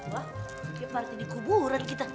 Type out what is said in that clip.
wah ya partinya kuburan kita